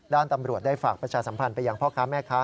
ตำรวจได้ฝากประชาสัมพันธ์ไปยังพ่อค้าแม่ค้า